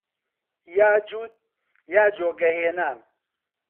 یا جووت یا جۆگە هێنان